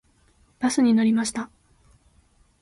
バスに乗りました。